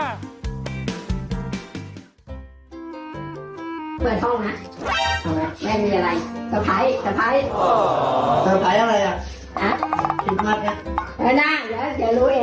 แม่หน้าอย่าลุ้งเอง